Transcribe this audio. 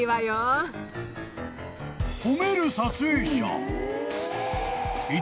［褒める撮影者］